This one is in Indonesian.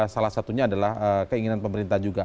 salah satunya adalah keinginan pemerintah juga